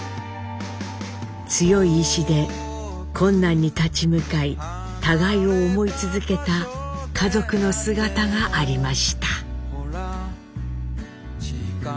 強い意志で困難に立ち向かい互いを思い続けた家族の姿がありました。